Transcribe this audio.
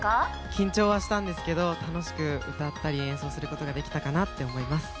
緊張はしたんですけど楽しく歌ったり演奏することができたかなって思います